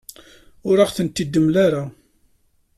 Ur aɣ-ten-id-temla ara.